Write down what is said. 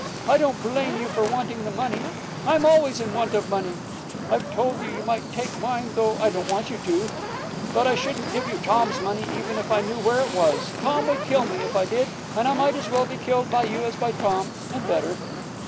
I don't blame you for wanting the money. I'm always in want of money. I've told you you might take mine, though I don't want you to. But I shouldn't give you Tom's money, even if I knew where it was. Tom would kill me if I did, and I might as well be killed by you as by Tom and better.